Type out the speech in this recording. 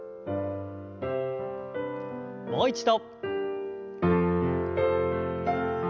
もう一度。